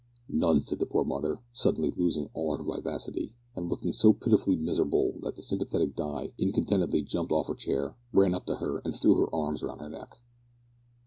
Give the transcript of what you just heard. "None," said the poor mother, suddenly losing all her vivacity, and looking so pitifully miserable that the sympathetic Di incontinently jumped off her chair, ran up to her, and threw her arms round her neck.